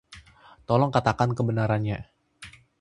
Tolong katakan kebenarannya.